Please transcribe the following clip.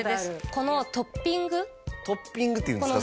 このトッピングトッピングっていうんですか？